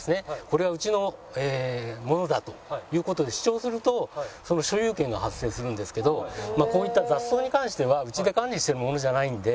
これはうちのものだという事で主張すると所有権が発生するんですけどこういった雑草に関してはうちで管理してるものじゃないんで。